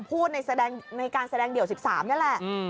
ในการแสดงเดี่ยว๑๓นี่แหละ